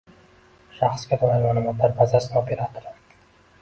shaxsga doir ma’lumotlar bazasining operatori